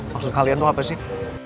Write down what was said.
maksud kalian itu apa sih